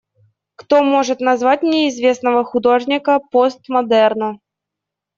Кто может назвать мне известного художника постмодерна?